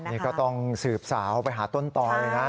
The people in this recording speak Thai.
นี่ก็ต้องสืบสาวไปหาต้นต่อเลยนะ